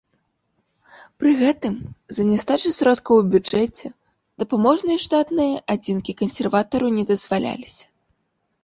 Пры гэтым, з-за нястачы сродкаў у бюджэце, дапаможныя штатныя адзінкі кансерватару не дазваляліся.